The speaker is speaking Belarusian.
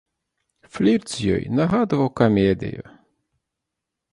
Флірт з ёй нагадваў камедыю.